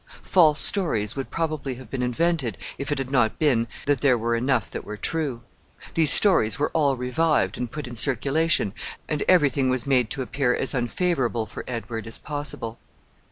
False stories would probably have been invented, if it had not been that there were enough that were true. These stories were all revived and put in circulation, and every thing was made to appear as unfavorable for Edward as possible.